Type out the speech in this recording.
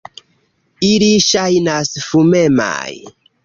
Ili ŝajnas fumemaj.